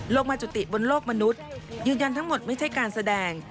จุติบนโลกมนุษย์ยืนยันทั้งหมดไม่ใช่การแสดง